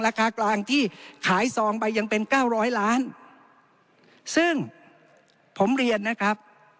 ราคากลางที่ขายซองไปยังเป็นเก้าร้อยล้านซึ่งผมเรียนนะครับ